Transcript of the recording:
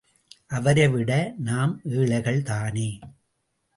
அவரை விட நாம் ஏழைகள் தானே!